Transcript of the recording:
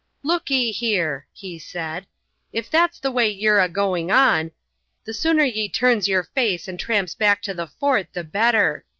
"Look ee here," he said, "if that's the way ye're a going on, the sooner ye turns yer face and tramps back to the fort the better.